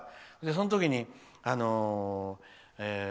その時に。